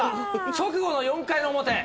直後の４回の表。